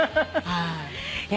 はい。